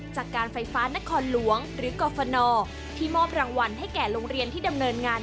จากการไฟฟ้านครหลวงหรือกรฟนที่มอบรางวัลให้แก่โรงเรียนที่ดำเนินงาน